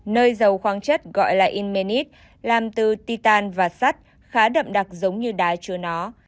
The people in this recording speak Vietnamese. nơi dầu khoáng chất gọi là inmenit làm từ titan và sắt khá đậm đặc giống như đá chưa nó